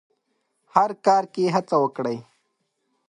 هر کار کې هڅه وکړئ.